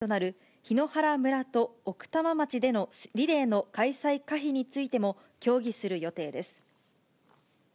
また、重点措置の対象区域外となる檜原村と奥多摩町でのリレーの開催可否についても、協議する予定です。